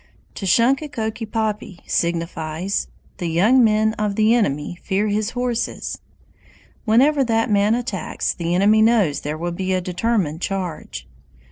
Tashunkekokipapi signifies "The young men [of the enemy] fear his horses." Whenever that man attacks, the enemy knows there will be a determined charge.